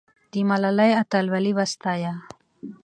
د ملالۍ اتلولي وستایه.